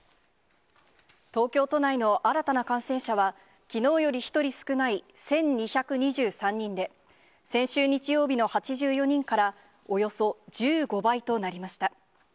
東京都内の新たな感染者は、きのうより１人少ない１２２３人で、先週日曜日の８４人からおよそ１５倍となりました。